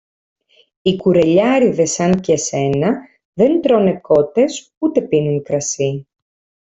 Οι κουρελιάρηδες σαν και σένα δεν τρώνε κότες ούτε πίνουν κρασί!